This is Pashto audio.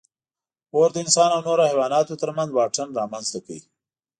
اور د انسان او نورو حیواناتو تر منځ واټن رامنځ ته کړ.